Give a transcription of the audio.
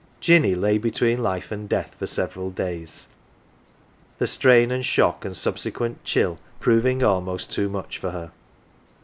Jinny lay between life and death for several days, the strain and shock and subsequent chill proving almost too much for her.